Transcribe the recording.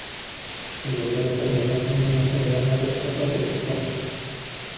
El gobierno estadounidense anualmente le da una tercera parte de sus fondos necesarios.